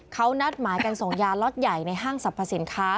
เขานัดหมายกันส่งยาล็อตใหญ่ในห้างสรรพสินค้า